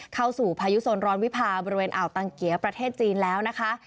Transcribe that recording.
พายุโซนร้อนวิพาบริเวณอ่าวตังเกียร์ประเทศจีนแล้วนะคะ